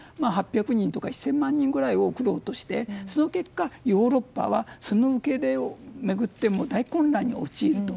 ８００万人とか１０００万人ぐらい送ろうとしてその結果、ヨーロッパはその受け入れを巡って大混乱に陥ると。